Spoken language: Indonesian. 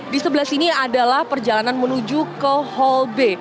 di sebelah sini adalah perjalanan menuju ke hall b